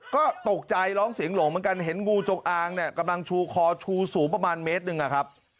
ก็ตกใจร้องเสียงหลงเหมือนกันเห็นงูจงอางเนี่ยกำลังชูคอชูสูงประมาณเมตรหนึ่งอะครับ